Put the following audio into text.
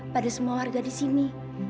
pada semua warga di sini